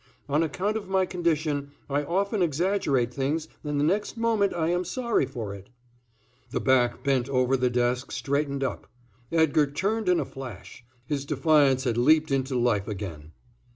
On account of my condition, I often exaggerate things and the next moment I am sorry for it." The back bent over the desk straightened up. Edgar turned in a flash. His defiance had leapt into life again.